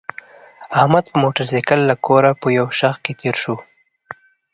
احمد په موټرسایکل له کوره په یو شخ کې تېر شو.